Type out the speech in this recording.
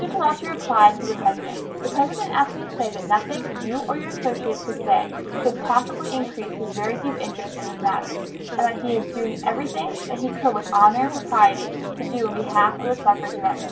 Tumulty replied for the President: "The President asks me to say that nothing you or your associates could say could possibly increase his very deep interest in this matter and that he is doing everything that he could with honor and propriety do in behalf of the [suffrage] amendment."